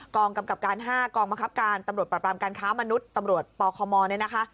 กำกับการ๕กองบังคับการตำรวจปรับรามการค้ามนุษย์ตำรวจปคมเนี่ยนะคะ